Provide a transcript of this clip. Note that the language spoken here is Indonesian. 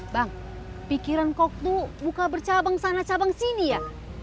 bang pikiran kok tuh buka bercabang sana cabang sini ya